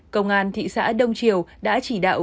công an thị xã đông triều đã chỉ đạo